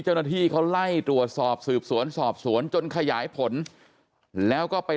เจ้าหน้าที่เขาไล่ตรวจสอบสืบสวนสอบสวนจนขยายผลแล้วก็ไป